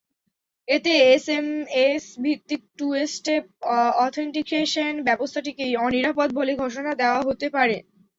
এতে এসএমএস-ভিত্তিক two-step authentication ব্যবস্থাটিকে অনিরাপদ বলে ঘোষণা দেওয়া হতে পারে।